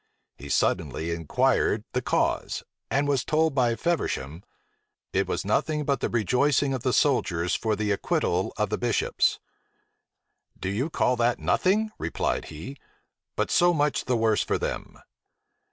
He suddenly inquired the cause, and was told by Feversham, "It was nothing but the rejoicing of the soldiers for the acquittal of the bishops." "Do you call that nothing?" replied he: "but so much the worse for them."